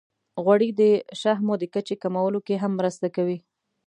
غوړې د شحمو د کچې کمولو کې هم مرسته کوي.